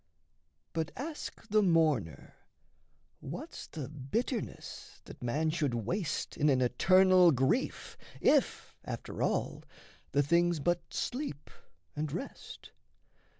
But ask the mourner what's the bitterness That man should waste in an eternal grief, If, after all, the thing's but sleep and rest?